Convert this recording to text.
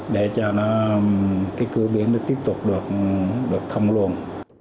để cho nó cái cửa biển nó tiếp tục được thông luồn